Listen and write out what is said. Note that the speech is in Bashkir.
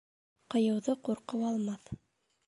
Ҡыйыуҙы ҡурҡыу алмаҫ.